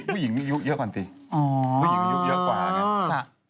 ผู้หญิงยุคเยอะกว่าใช่ไหม